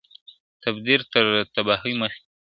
تدبیر تر تباهۍ مخکي ..